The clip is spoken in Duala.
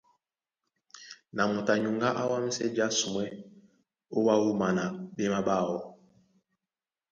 Na moto a nyuŋgá á wámsɛ jásumwɛ́ ó wá wúma na ɓémaɓáọ.